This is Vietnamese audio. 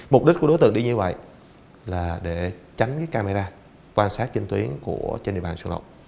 mục đích của đối tượng đi như vậy là để tránh camera quan sát trên tuyến trên địa bàn sửa lộng